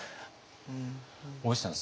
大石さん